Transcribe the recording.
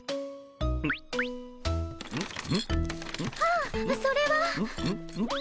あっそれは。